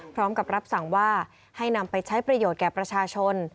พร้อมกับรับสั่งว่าให้นำไปใช้ประโยชน์แก่ประชาชน